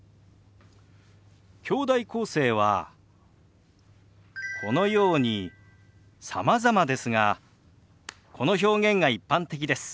きょうだい構成はこのようにさまざまですがこの表現が一般的です。